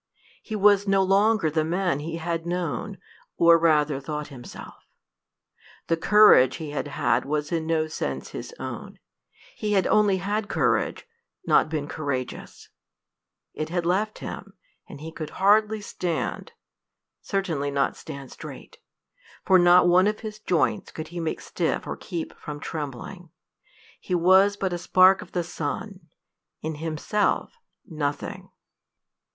He was no longer the man he had known, or rather thought himself. The courage he had had was in no sense his own; he had only had courage, not been courageous; it had left him, and he could scarcely stand certainly not stand straight, for not one of his joints could he make stiff or keep from trembling. He was but a spark of the sun, in himself nothing.